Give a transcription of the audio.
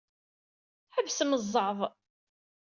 Ḥebsem zzeɛḍ.